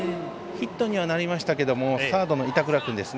ヒットにはなりましたけどサード、板倉君